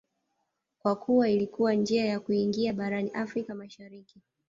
kwa kuwa ilikuwa njia ya kuingia barani Afrika Mashariki